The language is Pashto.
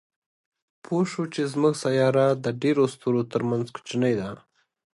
پوه شو چې زموږ سیاره د ډېرو ستورو تر منځ کوچنۍ ده.